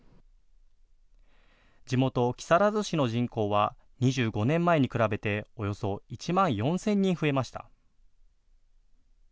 地元、木更津市の人口は２５年前に比べておよそ１万４０００人増えました。